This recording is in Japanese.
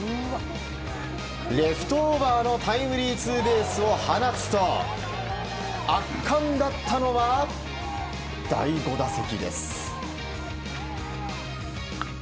レフトオーバーのタイムリーツーベースを放つと圧巻だったのは第５打席です。